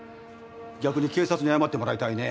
逆に警察に謝ってもらいたいね。